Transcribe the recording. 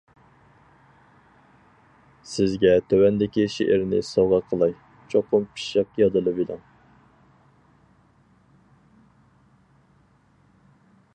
سىزگە تۆۋەندىكى شېئىرنى سوۋغا قىلاي چوقۇم پىششىق يادلىۋېلىڭ!